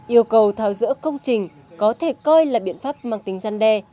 yêu cầu tháo dỡ công trình có thể coi là biện pháp mang tính răn đe